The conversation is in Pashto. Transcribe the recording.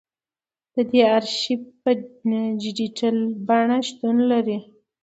د دې ارشیف په ډیجیټلي بڼه شتون لري.